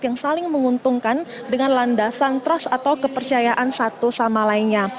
yang saling menguntungkan dengan landasan trust atau kepercayaan satu sama lainnya